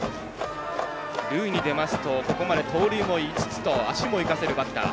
塁に出ますとここまで盗塁も５つと足も生かせるバッター。